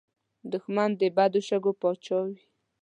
دښمن د بد شګو پاچا وي